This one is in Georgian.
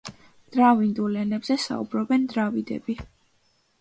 დრავიდულ ენებზე საუბრობენ დრავიდები.